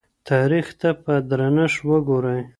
تاریخ ته په درنښت وګورئ.